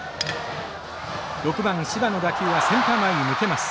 ６番柴の打球はセンター前に抜けます。